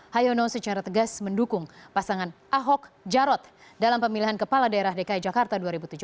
hayono secara tegas mendukung pasangan ahok jarot dalam pemilihan kepala daerah dki jakarta dua ribu tujuh belas